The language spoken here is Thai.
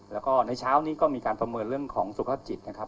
แล้วก็ในเช้านี้ก็มีการประเมินเรื่องของสุขภาพจิตนะครับ